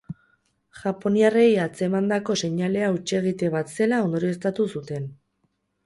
Japoniarrei atzemandako seinalea hutsegite bat zela ondorioztatu zuten.